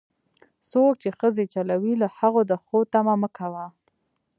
څوک چې ښځې چلوي، له هغو د ښو تمه مه کوه.